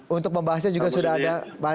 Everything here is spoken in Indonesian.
untuk membahasnya juga sudah ada